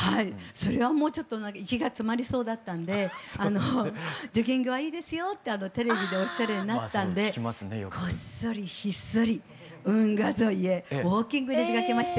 それはもうちょっと息が詰まりそうだったんでジョギングはいいですよってテレビでおっしゃるようになったんでこっそりひっそり運河沿いへウォーキングに出かけまして。